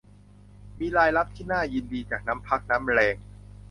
มีรายรับที่น่ายินดีจากน้ำพักน้ำแรง